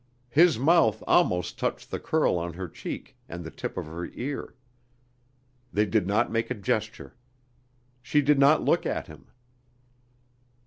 His mouth almost touched the curl on her cheek and the tip of her ear. They did not make a gesture. She did not look at him.